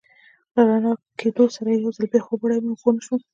له رڼا کېدو سره یو ځل بیا خوب وړی وم او پوه نه شوم.